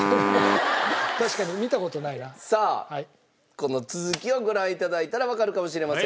この続きをご覧頂いたらわかるかもしれません。